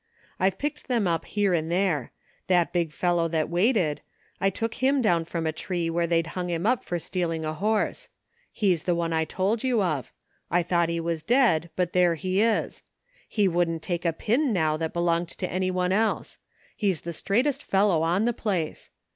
IVe picked them up here and there. That big fellow that waited — ^I took him down from a tree where they'd hung him up for stealing a horse. He's the one I told you of — I thought he was dead, but there he is! He wouldn't take a pin now that belonged to anyone else. He's the straightest fellow on the place.